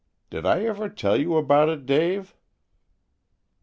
Did I ever tell you about it, Dave?"